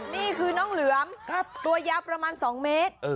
นี่คือน้องเหลือมตัวยาวประมาณ๒เมตร